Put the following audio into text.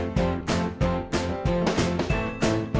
มีความสุขในที่เราอยู่ในช่องนี้ก็คือความสุขในที่เราอยู่ในช่องนี้